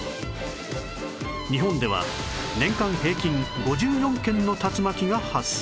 日本では年間平均５４件の竜巻が発生